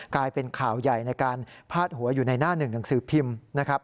กลายเป็นข่าวใหญ่ในการพาดหัวอยู่ในหน้าหนึ่งหนังสือพิมพ์นะครับ